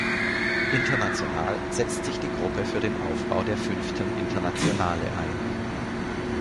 International setzt sich die Gruppe für den Aufbau der Fünften Internationale ein.